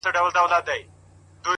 يو شاعر لکه قلم درپسې ژاړي-